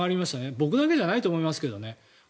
僕だけじゃないと思いますけどね。